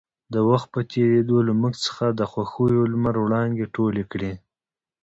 د وخـت پـه تېـرېدو لـه مـوږ څـخـه د خـوښـيو لمـر وړانـګې تـولې کـړې.